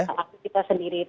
sudah sehat sendiri